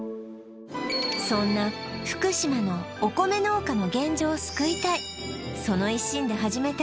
そんな福島のお米農家の現状を救いたいその一心で始めた